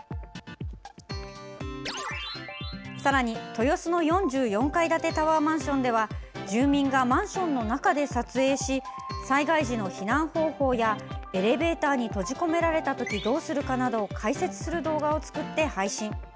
さらに、豊洲の４４階建てタワーマンションでは住民がマンションの中で撮影し災害時の避難方法やエレベーターに閉じ込められた時どうするかなどを解説する動画を作って配信。